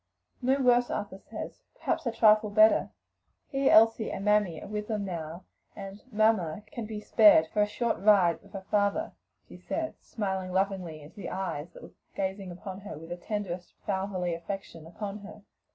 "No worse, Arthur says; perhaps a trifle better. He, Elsie and Mammy are with them now, and 'Mamma' can be spared for a short ride with her father," she said, smiling lovingly into the eyes that were gazing with the tenderest fatherly affection upon her.